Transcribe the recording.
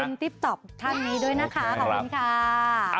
ติ๊กต๊อกท่านนี้ด้วยนะคะขอบคุณค่ะ